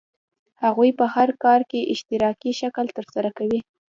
هغوی هر کار په اشتراکي شکل ترسره کاوه.